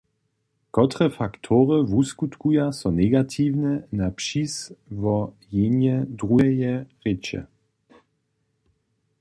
Kotre faktory wuskutkuja so negatiwnje na přiswojenje druheje rěče?